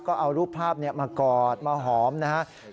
ก็เอารูปภาพมากอดมาหอมนะครับ